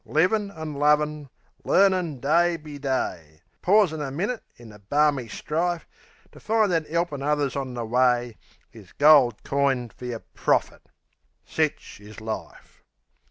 Livin' an' lovin'; learnin' day be day; Pausin' a minute in the barmy strife To find that 'elpin' others on the way Is gold coined fer your profit sich is life.